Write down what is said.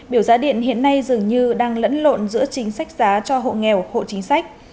biểu giá điện hiện nay dường như đang lẫn lộn giữa chính sách giá cho hộ nghèo hộ chính sách